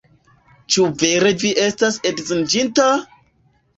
Ĉu vere vi estas edziniĝinta?